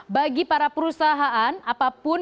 bagi para perusahaan apapun